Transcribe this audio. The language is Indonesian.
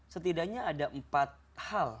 setidaknya ada empat hal